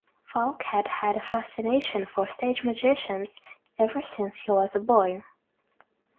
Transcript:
Falk had had a fascination for stage magicians ever since he was a boy.